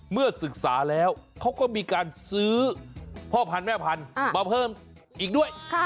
เมื่อศึกษาแล้วเขาก็มีการซื้อพ่อพันธุ์แม่พันธุ์มาเพิ่มอีกด้วย